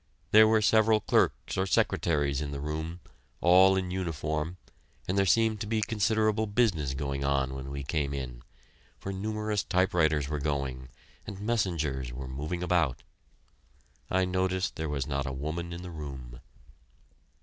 There were several clerks or secretaries in the room, all in uniform, and there seemed to be considerable business going on when we came in, for numerous typewriters were going and messengers were moving about. I noticed there was not a woman in the room.